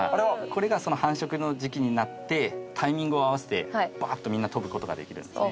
これが繁殖の時期になってタイミングを合わせてバーッとみんな飛ぶ事ができるんですね。